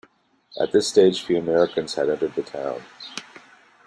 At this stage, few Americans had entered the town.